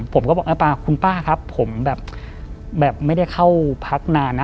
ผมก็บอกคุณป้าครับผมแบบไม่ได้เข้าพักนานนะ